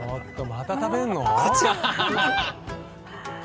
また食べるの？